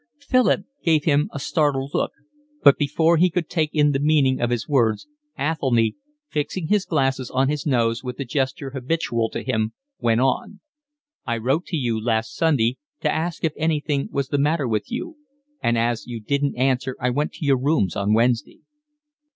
Philip gave him a startled look, but before he could take in the meaning of his words, Athelny, fixing his glasses on his nose with the gesture habitual to him, went on. "I wrote to you last Sunday to ask if anything was the matter with you, and as you didn't answer I went to your rooms on Wednesday."